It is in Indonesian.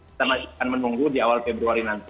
kita masih akan menunggu di awal februari nanti